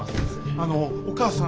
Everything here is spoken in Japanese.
あのお母さん。